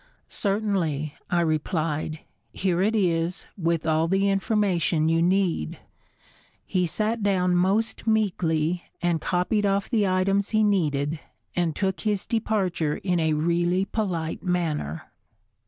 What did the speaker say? "Certainly," I replied. "Here it is, with all the information you need." He sat down most meekly and copied off the items he needed and took his departure in a really polite manner.